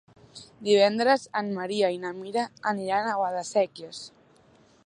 Divendres en Maria i na Mira aniran a Guadasséquies.